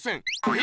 え？